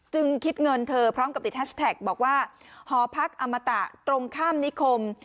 คิดเงินเธอพร้อมกับติดแฮชแท็กบอกว่าหอพักอมตะตรงข้ามนิคม